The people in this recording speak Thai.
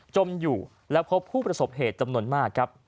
อยู่และพบผู้ประสบเหตุจำนวนมากครับ